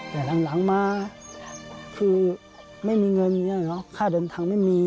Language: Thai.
แต่หลังมาคือไม่มีเงินค่าเดินทางไม่มี